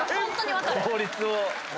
法律を。